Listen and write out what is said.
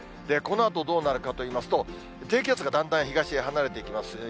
このあとどうなるかといいますと、低気圧がだんだん東へ離れていきます。